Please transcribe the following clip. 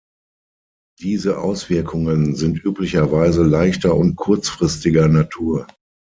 Diese Auswirkungen sind üblicherweise leichter und kurzfristiger Natur.